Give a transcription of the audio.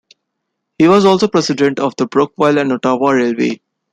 He was also president of the Brockville and Ottawa Railway.